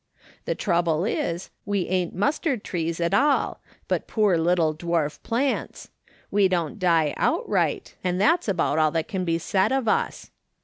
The trouble is, we ain't mustard trees at all, but poor little dwarf plants ; we don't die outright, and that's about all that can be said of us.'